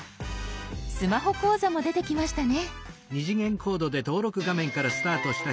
スマホ講座も出てきましたね。